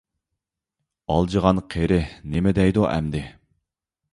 ئالجىغان قېرى نېمە دەيدۇ ئەمدى؟!